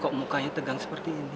kok mukanya tegang seperti ini